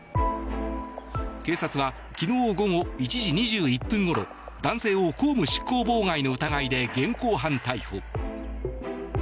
警察は、昨日午後１時２１分ごろ男性を公務執行妨害の疑いで現行犯逮捕。